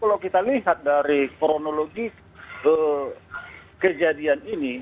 kalau kita lihat dari kronologi ke kejadian ini